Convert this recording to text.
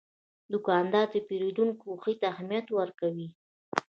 دوکاندار د پیرودونکي خوښي ته اهمیت ورکوي.